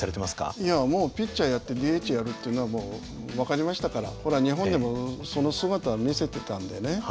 いやもうピッチャーやってＤＨやるというのはもう分かりましたからこれは日本でもその姿を見せてたんでね